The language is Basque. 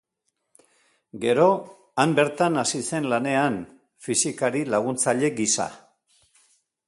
Gero, han bertan hasi zen lanean, fisikari laguntzaile gisa.